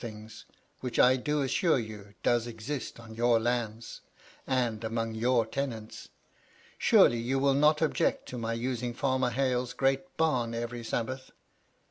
things which, I do assure you, does exist on your lands, and among your tenants. Surely, you will not object to my using Farmer Hale's great bam every Sabbath